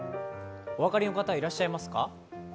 お分かりの方、いらっしゃいますか？